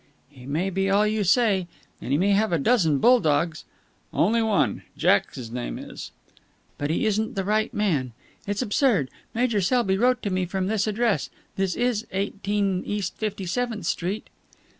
"He may be all you say, and he may have a dozen bull dogs...." "Only one. Jack his name is." "... But he isn't the right man. It's absurd. Major Selby wrote to me from this address. This is Eighteen East Fifty seventh Street?"